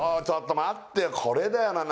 ちょっと待ってよ